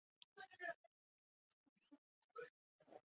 类似的情况也出现在很多其他化合物中。